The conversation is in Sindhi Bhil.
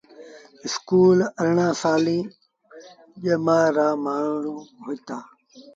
اسڪول ارڙآن سآليٚݩ ڄمآر رآ مآڻهوٚݩ هوئيٚتآ۔